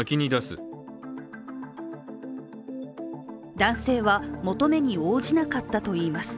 男性は求めに応じなかったといいます。